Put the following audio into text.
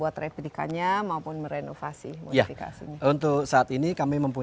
tapi ini akan menjadi stasiun